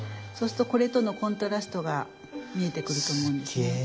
そうするとこれとのコントラストが見えてくると思うんですね。